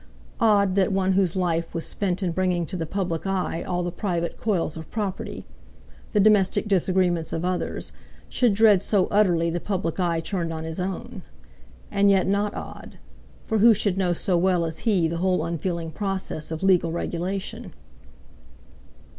Odd that one whose life was spent in bringing to the public eye all the private coils of property, the domestic disagreements of others, should dread so utterly the public eye turned on his own; and yet not odd, for who should know so well as he the whole unfeeling process of legal regulation.